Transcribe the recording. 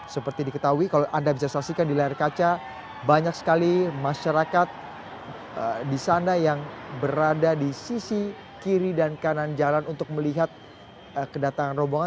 seperti diketahui kalau anda bisa saksikan di layar kaca banyak sekali masyarakat di sana yang berada di sisi kiri dan kanan jalan untuk melihat kedatangan rombongan